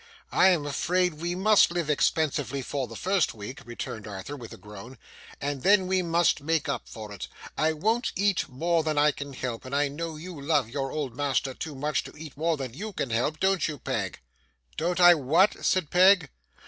'I am afraid we must live expensively for the first week,' returned Arthur, with a groan, 'and then we must make up for it. I won't eat more than I can help, and I know you love your old master too much to eat more than YOU can help, don't you, Peg?' 'Don't I what?' said Peg.